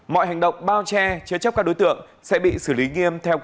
mọi hành động bao che chế chấp các đối tượng sẽ bị xử lý nghiêm